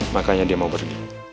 makanya dia mau pergi